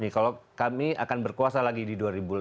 kalau kami akan berkuasa lagi di dua ribu dua puluh